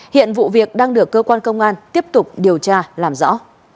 hiện vụ việc đang được cơ quan công an tiếp tục điều tra làm rõ